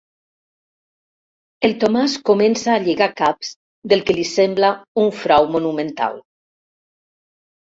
El Tomàs comença a lligar caps del que li sembla un frau monumental.